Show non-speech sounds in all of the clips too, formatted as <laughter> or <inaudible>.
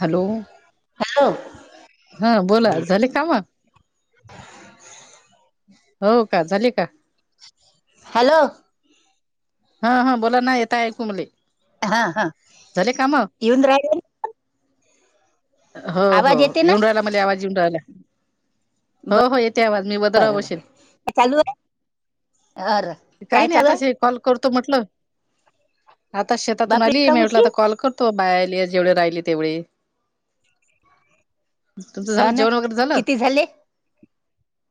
Hello! Hello हा बोला झाले काम? हो का झाले का. हलो! ह ह बोला ना येत आयकु मले. हा हा झाले काम इवून राहीले हो हो येते ना येऊन राहिला मले आवाज, येऊन राहिला हो हो येत ते आवज मी वदराव बरं बरं वसेल, काय चालू आहे अर काही काय नाही चालू आता आहे च हे कॉल म्हटलं आता शेतातून बापरे आली इतका मी म्हटलं उशीर कॉल करतो बाहेर तेच जेवढे राहिली तेवढे तुमचं हा झालं ना जेवण वगैरे झालं?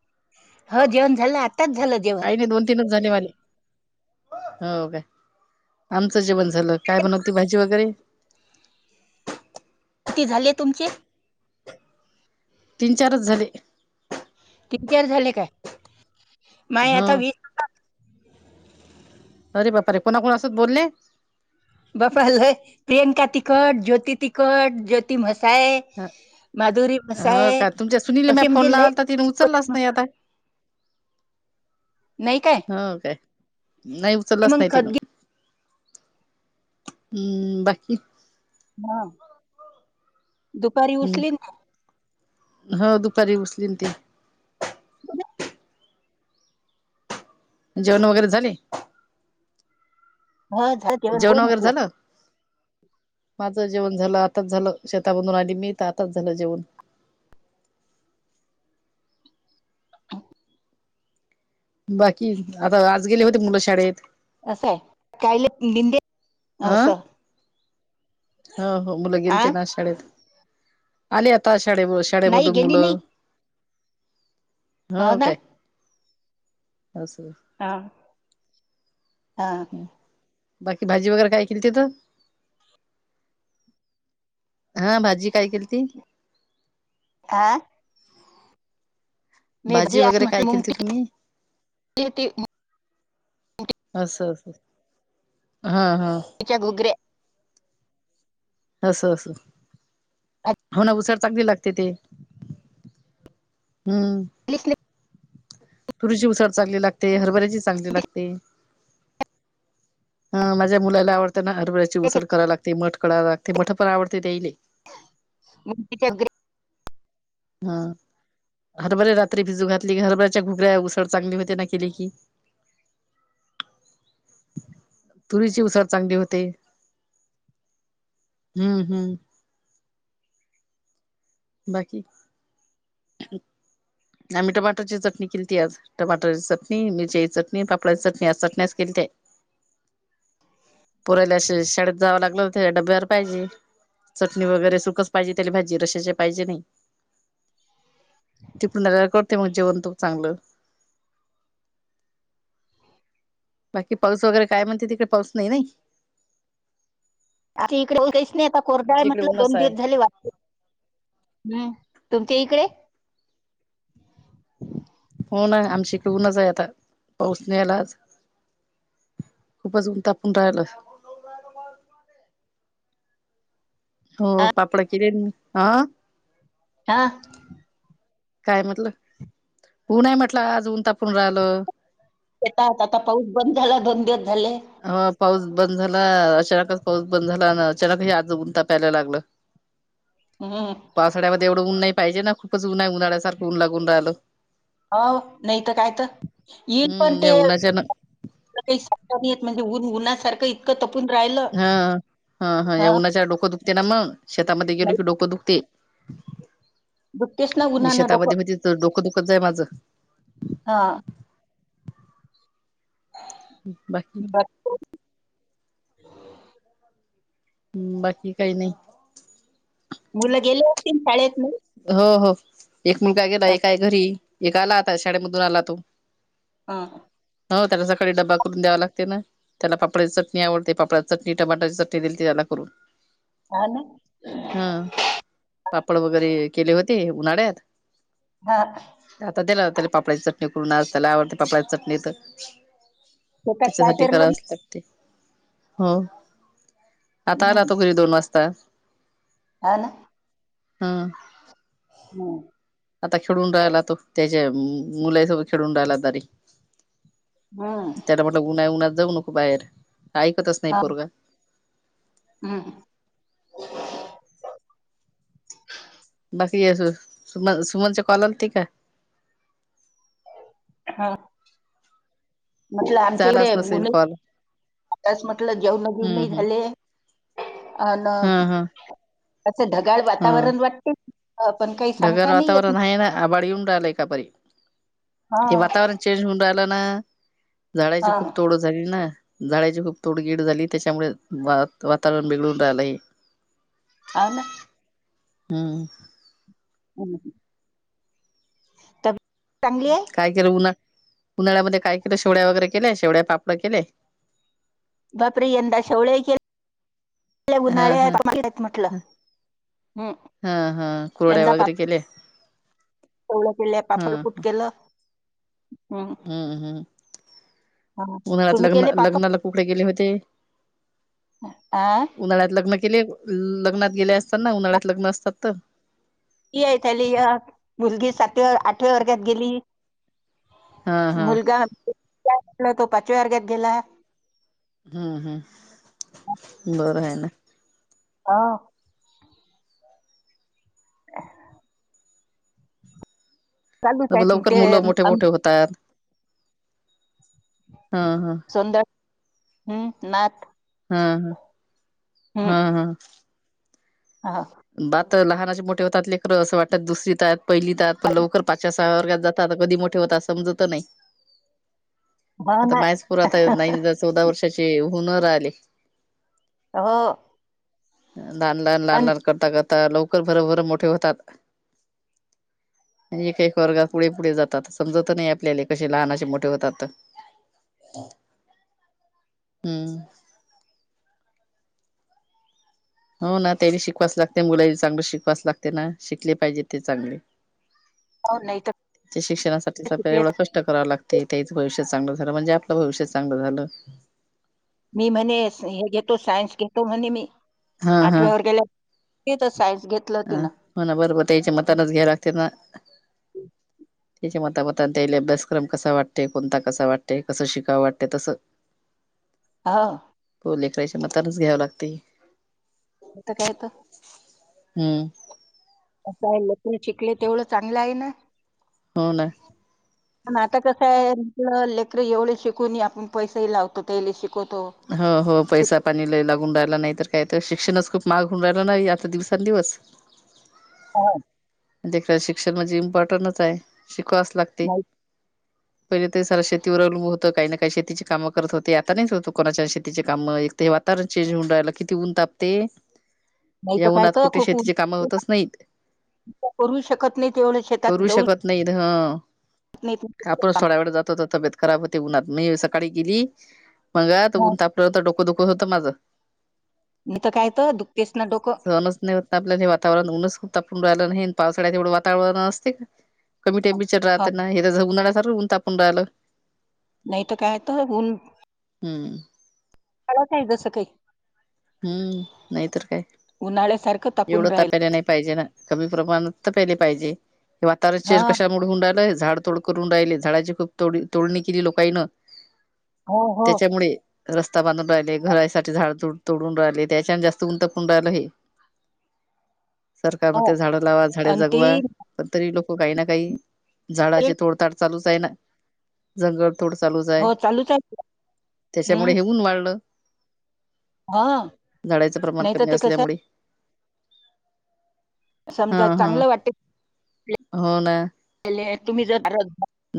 हम्म, हो जेवण झालं आ काही नाही दोन तीनच झाले मले. हो काय आमचं जेवण झालं काय बनवती भाजी वगैरे, <unintelligible> किती झाले तुमचे? तीन चारच झाले. तीन चार झाले काय माय हो आता वीस झालं अरे बापा रे कोणाकोणा सोबत बोलले? बापा लय प्रियंका तिखट, ज्योती तिखट, ज्योती मसाय माधुरी ह मसाय का तुमच्या सुनील म्या असे फोन म्हणजे लय लावला तर तिने उचललाच नाही काय हा काय नाही. उचललाच मग नाही तीन खत हम् बाकी, हा दुपारी उचलील ना. ह दुपारी उसलीन ते. ना जेवण वगैरे झाले हा झा जेवण बोल वगैरे म्हतलं झालं <inaudible> माझं जेवण झालं आताच झालं शेता मधून आली मी त आताच झालं जेवण. <inaudible> बाकी आता आज गेले होते मुलं शाडेत असंय काय लीन लीडे अ असं, हो हो मुलं आ गेलते ना शाळेत. आले आता शाळे नाही शाळेमधून गेली नाही मुलं हो काय, बस हा, हा बाकी भाजी वगैरे काय केलीती तू? हा भाजी काय केली ती? आह भाजी आज वगैरे म्हटलं काय केलती मुंगटी तुम्ही? केली होती अस हा हा च्या घुघऱ्या असस हो ना. उसळ चांगली लागते ते हम्म, भाजीलीच नाही तुरीची उसळ चांगली लागते, हरभऱ्याची चांगली लागते. हा माझ्या मुलाला आवडत. त्यांना हरभरयाची ऊसळ केली. करायला लाते मठ कराय लागते मठ पण आवडते याईले. मतीच्या ग्रे हा हरभरे रात्री भिजून घातली. की हरभऱ्याच्या घुगऱ्या उसळ चांगली होते ना केले की. तुरीची उसळ चांगली होते. हम्म हम्म, बाकी, आम्ही टमाटरची चटणी केलती आज, टमाटरची चटणी, मिरच्याची चटणी, पापडा ची चटणी आज चटण्या केली. ते पोराला शाळेत जावं लागलं होतं. डब्यावर पाहिजे. चटणी वगैरे सुखच पाहिजे त्या भाजी रशाचे पाहिजे नाही. तिकडून आलेवर करते मग जेवण तू चांगलं. बाकी पाऊस वगैरे काय म्हणते तिकडे पाऊस नाही नाही. आ इकडेच नाही आता कोरड आहे. आमच्या इकडे म्हटलं ऊनच दोन आहे दिवस झाले वाटते. हम्म तुमच्या इकडे. पोहचण्यालाच.. खूपच ऊन तापून राहिल.. हो पापड किलेल म हा.. हा. काय म्हटलं उऊ नाही म्हटलं आज ऊन तापून राहिलं. येत आता पाऊस बंद झाला बंद- हा पाऊस.. बंद झाला अचानकच पाऊस बंद झाला आणि अचानकही आजगुंता प्यायला लागलं.. हम्म. तेवढंऊन नाही पाहिजे ना खूपच उन्हा आहे उन्हाळ्यासारख ऊन लागून राहिलं.. हो नाही तर काय तर येईल पण हम्म ते या उन्हाच्या न काहीेत म्हणे उन्हासारखं इतं हा हा हा या उन्हाच्या डोकं दुखते ना मग शेतामध्ये गेलो नाही, की डोकं दुखते. दुखतेच ना मगं उन्हानं डोकं शेतामध्ये तिथं डोकं दुखतय माझं, हा बाकी, हो, हम्म बाकी काही नाही, मुल गेले असतीन शाळेत. नाही हो हो एक मुलगा गेला एक आहे घरी एक आला आता शाळेमधून आला तो हा हो त्याला सकाळी ड्बा करून द्यावा लागत. ना त्याला पापडची चटणी आवडते पापडची चटणी टमाटाची चटणी दिलीते त्याला करून.. हा ना हा पापड वगैरे.. केले उन्हाळ्यात हा आला.. पापडळाची चटणी करूनज त्याला आवडते पापळाची चटणीत.. शेतात काय त्याच्यासाठी पेरलं कराच मग? ला ते हो.. आता आला हम्म. तो घरी दोन वाजता.. हा ना हम् हम्म. आता खेळून रायला तो त्याच्या मुलासोबत खेळून राहिला तरी हम्म. त्याला म्हटलं उन्हा उन्हा जग नको बाहेर ऐकतच नाही पोरग.. हम्. सुमन सुमनच्या कॉललती का? हा. म्हटलं आमच्या झालाच नसेल इकडे.. कॉल त्यास म्हटलं जेवण हम्म जेवनही हम्म झाले अ हा हा ढगाळ वातावरण वाटते. अ, पण काही ढगर सांगता नाही येत वातावरण आहे ना आ बाळ येऊन राहिलं एकापरी हा हे वातावरण चेंज होऊन राहिलं. ला ना झाडाची हा खूप तोड झाली ना.. झाडाची खूप तोडगीड झाली त्याच्यामुळे वातावरण बिघडून राहिलं आहे.. आ ना. हम्म. हम्. त. काय केलं उन्हा. उन्हाळ्यामध्ये काय केलं शेवड्या वगैरे केल्याय शेवड्या पापड केलेय.. बपरी एंद शौळके.. हा हा उन्हाळ्या म्हटलं.. हम्म. हा हा कुरड्या वगैरे केल्या.. सलं केले हा हा पापडपूट केलं.. हम्म हा. हम्म उन्हाळ्यात तुम्ही लग्न केले पापड लग्नाला कुकडे गेले होते. हा उन्हाळ्यात लग्न केले. लग्नात गेले असतात ना उन्हाळ्यात लग्न असतात तर. ती आहे त्याली अ, मुलगी सातव्या आठव्या वर्गात गेली हा हा मुलगा काटल तो पाचव्या वर्गत गेला. हम्म हम्म बरं आहे ना. हा. चालूच आहेत लवकर ते मुलं मोठे अम- मोठे होतात. हा हा. सौंदर हम्म नात. हा हा, हा हा. अ हा. बात लहानाचे मोठे होतात लेकरं असं वाटतात दुसरी तात पहिली तात पण लवकर पाच वर्गात जात तर कधी मोठे होत समजत नाही. हो आता ना माहेसपूर आता नाही चौदा वर्षाची हुनर आले. ह. लहान लहान लहान लहान करता करता लवकर भरभर मोठे होतात.. म्हणजे एकक वर्गात पुढे पुढे जातात समजत नाही आपल्याला कसे लहान असे मोठे होतात.. हम्म. हो ना त्यांनी शिकवाच लागते मुला चांगलं शिकवाच लागते ना शिकले पाहिजे ते चांगले.. हो, नाही तर शिक्षणासाठी काय स शिकले एवढं कष्ट कराव लागते तेच भविष चांगल झालं म्हणजे आपलं भविष्यचं चांगलं झालं. मी म्हणे हे घेतो सायन्स घेतो म्हणे मी. हा आठव्यावर गेल्या सायन्स घेत अ होणा बरोबर त्या याच्या मतानच घ्या लागते ना. त्याच्या मतामत त्यायला अभ्यासक्रम कसा वाटते, कोणता कसा वाटते कसं शिकावं वाटत तसं. <inaudible> हा. हो लेकराच्या मतानच घ्यावं लागते. होता कायेत. हम्म. आहे लकन शिकले तेवढं चांगलं आहे ना. हो ना. पण आता कस आहे लेकर एवढे शिकून आपण पैसेही लावतो ते शिक हो हो पैसा पाणी लयी लागून राहिला नाही तर काय. शिक्षणास खूप माग होऊन राहिला नाही आता दिवसांंदिवस. हा. शिक्षण म्हणजे इम्पॉर्टनच आहे शिकवाच लागते. नाही पहिले ते सार शेतीवर अवलंब होतं काही ना काही शेतीची कामं करत होते आता नाहीच होत कोणाच्या शेतीची कामं. वातावरण चेंज होऊन राहिल किती ऊन तापते. नाही या तर काय उनात तर कुठे खूप ऊन- शेतीची कामं होतच नाहीत. करू शकत नाही तेवढं शेतात करू जाऊ शकत नाहीत हं. नाही आपणच तर थोड्या वेळ जातोत तर तबीेत खराब होती. ते उन मी सकाळी गेली हो. मगन तापलं डोकं दुख होतं माझ. नाही तर काय तर दुखतेच ना डोकं सणच नाही होत आपल्या हे वातावरण उनच खूप तापून राहिल. पावसाळ्यातवढं वातावरण असते का कमी टेमचर हा राहत उन्हाळा सर ऊन तापून रालं. नाही त काय त ऊन हुं. हला काही जस काही. हुं नाही तर काय. उन्हाळ्यासारखं तापून जेवढं त राहील तापयाला नाही पाहिजे ना कमी प्रमाणात तपेले पाहिजे- हे वातावरण हा चेज कशामुळ हुंन राहिलंय झाड तोड करून राहिले, झाडाची खूप तो तोडणी केली लोकाईन हो हो. रस्ता बांधून राहिले, घरासाठी झाड तुड तोडून राहिले, त्याच्यान जास्त ऊन तपून राहिला हे सरकार हो म्हणतंय झाडं लावा झाडे आणि ते जगवा पण तरी लोक काही ना काही झाडाचे तोडताड चालूच आहे ना जंगल तोड चालूच आहे हो चालूच आहे त्याच्यामुळे हं, हे ऊन वाढलं हा झाडाचं प्रमाण नाही तर कमी ते कसे आहे असल्यामुळे हा समजा हा चांगलं वाटे हो ना तुम्ही जर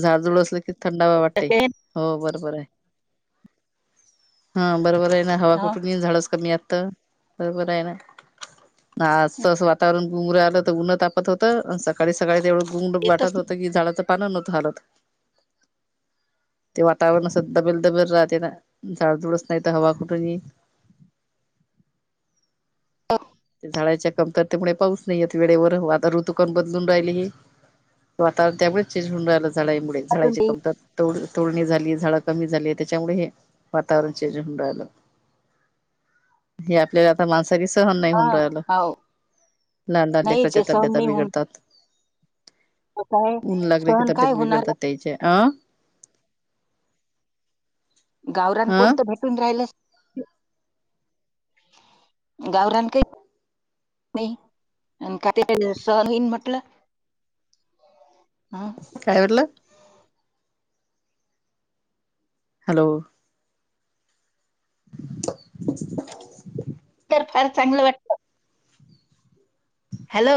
झाडझुड असलं की थंडावा बसले वाटते ते हो बरोबर आहे हा बरोबर आहे ना हवा हा, कुठून येन झाडच कमी आ बरोबर आहे ना असच वातावरण गुंगरं आलं तर उनं तापतं होतं सकाळी सकाळी ते एवढं गुंगड येतच वाटत होत नाही. की झाडचं पानं नतं भारत ते वातावरण असं दबेल दबेल राहते ना झाडजुडच नाही तर हवा कुठून इन. <inaudible> झाडाच्या कमतरतेमुळे पाऊस नाही येत वेळेवर आता ऋतुकान बदलून राहिले हे. वातावरण त्यामुळेच चेंज होऊन राहिलं झाडईमुळे अजून झाडाची ते- कमतरता. तोडणी झाली, झाडं कमी झाली त्याच्यामुळे हे वातावरणच चेंज होउन राहिलं, हे आपल्याला आता माणसा बी सहन नाही हा म्हण राहिलं हो लहान लहान नाही लेकराच्या ते सहन तब्येत नाही होऊन बिघडतात काय ऊन लागली की सहन काय तब्येत होणार बिघडतात त्याचे अं-! गावरान अ कोणतं भेटून राहिल, <unintelligible> गावऱन काय नाही आणि का सहन होईन म्हटलं हं काय म्हटलं? हॅलो! <unintelligible> तर फार चांगलं वाटलं हॅलो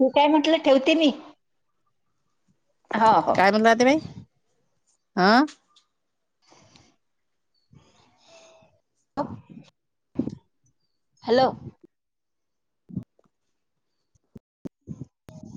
हे काय म्हटलं ठेवते मी हा हो आ अप हॅलो! <unintelligible>